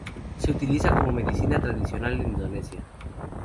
Se utiliza como medicina tradicional en Indonesia.